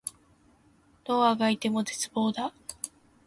どう足掻いても絶望だ